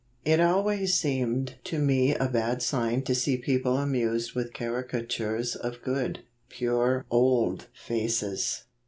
It always seemed to me a bad sign to see people amused with caricatures of good, pure old faces.